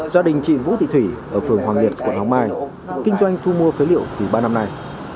gia đình chị vũ thị thủy ở phường hoàng liệt quận hoàng mai kinh doanh thu mua phế liệu từ ba năm nay